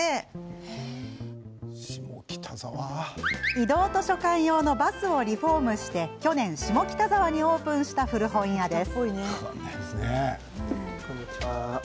移動図書館用のバスをリフォームして去年、下北沢にオープンした古本屋です。